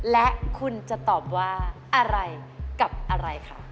และคุณจะตอบว่าอะไรกับอะไรคะ